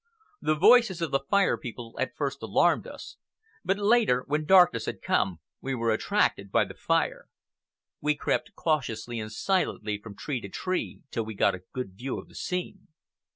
The voices of the Fire People at first alarmed us, but later, when darkness had come, we were attracted by the fire. We crept cautiously and silently from tree to tree till we got a good view of the scene.